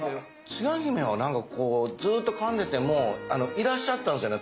つや姫はなんかこうずっとかんでてもあのいらっしゃったんすよね